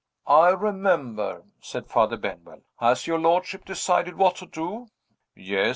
"I remember," said Father Benwell. "Has your lordship decided what to do?" "Yes.